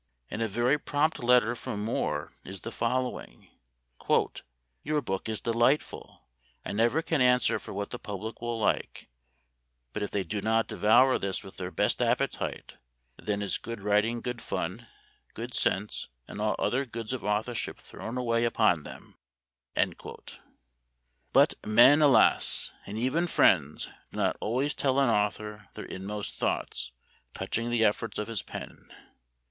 In a very prompt letter from Moore is the following :" Your book is delightful. I never can answer for what the public will like, but if they do not devour this with their best appetite then is good writing, good fun, good sense, and all other goods of authorship thrown away upon them." Memoir of Washington Irving. 131 But men, alas ! and even friends, do not al ways tell an author their inmost thoughts touching the efforts of his pen.